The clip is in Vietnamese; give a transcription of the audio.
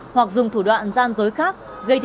hoặc dùng thủ đoạn gian dối khác gây thiệt hại